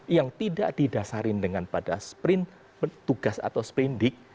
yang tidak didasari dengan pada sprint tugas atau sprint dig